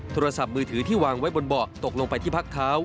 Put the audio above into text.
โทรศัพท์มือถือที่วางไว้บนเบาะตกลงไปที่พักเท้า